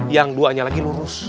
yang duanya lagi lurus